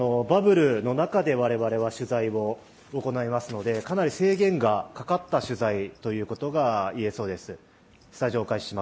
バブルの中で我々は取材を行いますので、かなり制限がかかった取材と言えそうです。